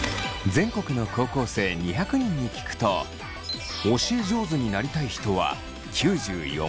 全国の高校生２００人に聞くと教え上手になりたい人は９４％。